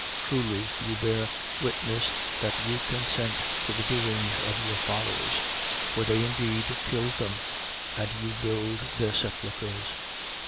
Truly you bear witness that you consent to the doings of your fathers. For they indeed killed them: and you build their sepulchres.